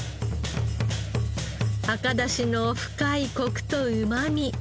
赤だしの深いコクとうまみ。